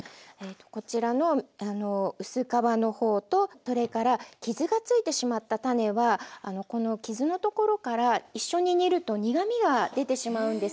こちらの薄皮の方とそれから傷がついてしまった種はこの傷のところから一緒に煮ると苦みが出てしまうんです。